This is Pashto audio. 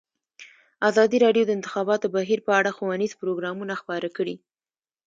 ازادي راډیو د د انتخاباتو بهیر په اړه ښوونیز پروګرامونه خپاره کړي.